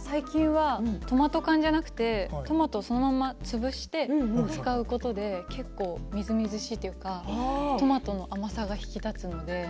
最近はトマト缶じゃなくてトマトをそのまま使うことで、みずみずしいというかトマトの甘さが引き立つので。